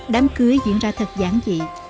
đám cưới diễn ra thật giản dị